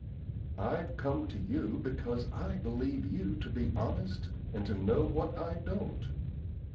I've come to you because I believe you to be honest and to know what I don't.